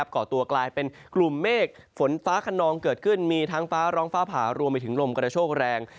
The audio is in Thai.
ก่อตัวกลายเป็นกลุ่มเมฆฝนฟ้าขนองเกิดขึ้นมีทั้งฟ้าร้องฟ้าผ่ารวมไปถึงลมกระโชคแรง